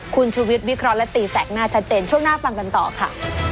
คุณชูวิทวิเคราะห์และตีแสกหน้าชัดเจนช่วงหน้าฟังกันต่อค่ะ